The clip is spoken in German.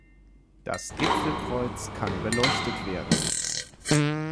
Das Gipfelkreuz kann beleuchtet werden.